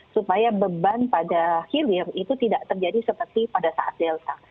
supaya beban pada hilir itu tidak terjadi seperti pada saat delta